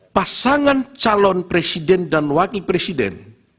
pasangan calon presiden dan wakil presiden